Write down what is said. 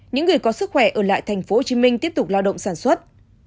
những người có sức khỏe ở lại tp hcm tiếp tục lao động sản xuất